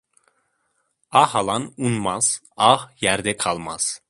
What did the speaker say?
Ah alan unmaz, ah yerde kalmaz.